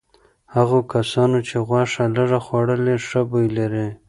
هغو کسانو چې غوښه لږه خوړلي ښه بوی لري.